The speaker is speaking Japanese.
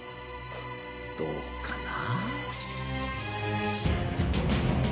どうかな？